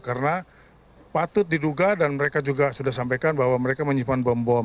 karena patut diduga dan mereka juga sudah sampaikan bahwa mereka menyimpan bom bom